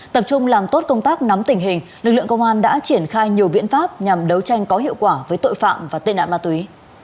tập trung làm tốt công tác nắm tình hình lực lượng công an đã triển khai nhiều biện pháp nhằm đấu tranh có hiệu quả với tội phạm và tên ạn ma túy